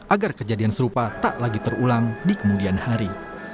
agar kejadian serupa tak lagi terulang di kemudian hari